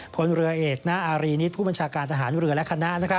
พลเรือเอกณอารีนิตผู้บัญชาการทหารเรือและคณะ